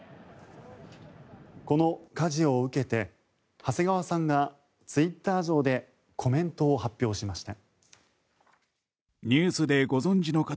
この火事を受けて長谷川さんがツイッター上でコメントを発表しました。